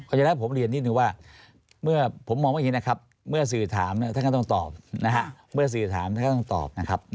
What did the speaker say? ก็อย่างนั้นผมเรียนนิดหนึ่งว่าผมมองว่าอย่างนี้นะครับเมื่อสื่อถามท่านก็ต้องตอบนะครับ